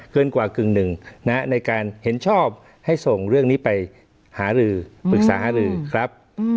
เกินกว่ากึ่งหนึ่งในการเห็นชอบให้ส่งเรื่องนี้ไปหารือปรึกษาหารือครับ